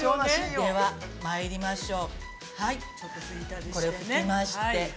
ではまいりましょう。